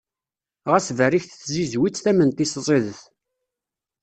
Ɣas berriket tzizwit, tament-is ẓidet.